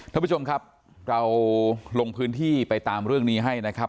ท่านผู้ชมครับเราลงพื้นที่ไปตามเรื่องนี้ให้นะครับ